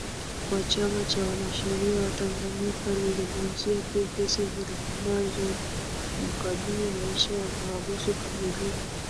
wa Chama cha Wanasheria wa Tanganyika alizungumzia pia kesi zinazomkabili maisha ya mahabusu familia